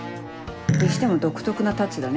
にしても独特なタッチだね。